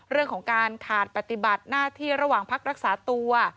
เรื่องของการขาดปฏิบัติหน้าที่ระหว่างพักรักษาตัว